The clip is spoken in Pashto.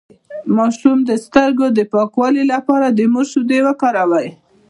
د ماشوم د سترګو د پاکوالي لپاره د مور شیدې وکاروئ